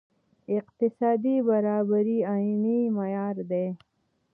اقتصادي برابري عیني معیار دی.